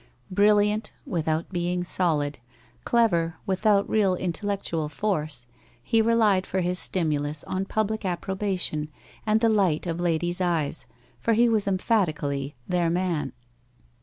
Brilliant, with out being solid, clever without real intellectual force, he relied for his stimulus on public approbation and the light of ladies' eyes, for he was emphatically their man.